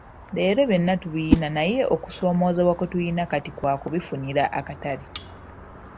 Leero byonna tubirina naye okusoomooza kwe tulina kati kwa kubifunira akatale.